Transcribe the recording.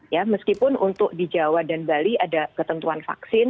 ya meskipun untuk di jawa dan bali ada ketentuan vaksin